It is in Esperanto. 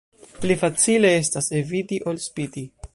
Pli facile estas eviti ol spiti.